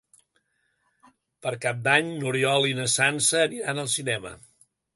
Per Cap d'Any n'Oriol i na Sança aniran al cinema.